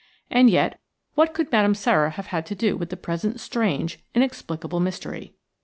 And yet what could Madame Sara have to do with the present strange, inexplicable mystery?